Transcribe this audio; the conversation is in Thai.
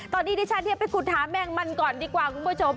ตอนนี้ดิฉันไปขุดหาแมงมันก่อนดีกว่าคุณผู้ชม